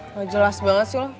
nggak jelas banget sih lo